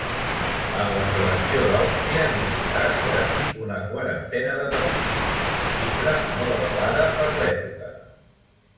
Amb la selecció d'Àustria disputà quasi una quarantena de partits, xifra molt elevada per l'època.